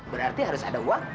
berarti harus ada uang